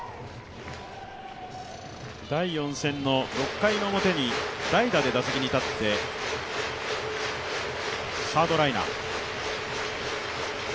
第４戦の６回表に代打で打席に立って、サードライナー。